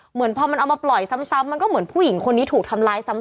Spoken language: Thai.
เหมือนพอมันเอามาปล่อยซ้ำมันก็เหมือนผู้หญิงคนนี้ถูกทำร้ายซ้ำ